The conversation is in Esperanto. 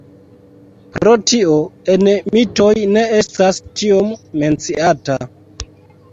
Pro tio en mitoj ne estas tiom menciata.